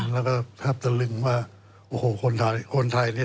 แล้วก็พร้าบตะลึงว่าโอ้โฮคนไทยนี่ทำได้